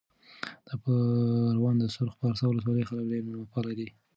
د پروان د سرخ پارسا ولسوالۍ خلک ډېر مېلمه پاله دي.